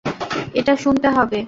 এটা শুনতে হবে!